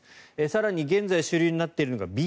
更に現在主流になっているのがＢＡ．５